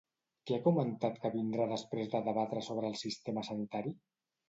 Què ha comentat que vindrà després de debatre sobre el sistema sanitari?